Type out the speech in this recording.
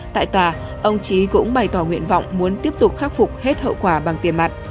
tại tòa ông trí cũng bày tỏ nguyện vọng muốn tiếp tục khắc phục hết hậu quả bằng tiền mặt